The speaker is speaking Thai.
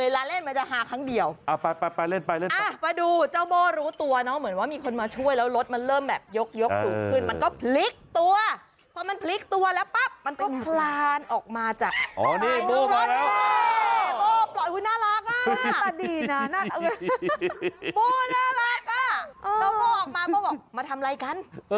แล้วติดเมื่อกี้ไปถามท่านผู้อาชิกประการก่อน